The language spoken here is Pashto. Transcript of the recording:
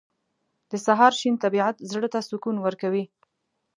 • د سهار شین طبیعت زړه ته سکون ورکوي.